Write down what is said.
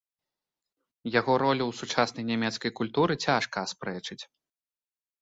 Яго ролю ў сучаснай нямецкай культуры цяжка аспрэчыць.